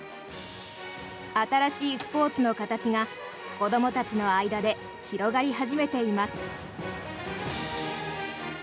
新しいスポーツの形が子どもたちの間で広がり始めています。